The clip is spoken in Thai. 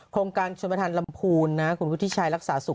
โครงการชมลำภูลคุณวิทย์ชายรักษาสุข